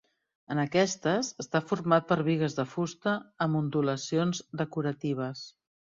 En aquestes, està format per bigues de fusta amb ondulacions decoratives.